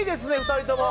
２人とも。